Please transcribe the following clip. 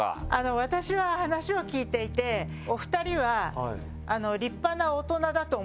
私は話を聞いていてお二人は立派な大人だと思いました。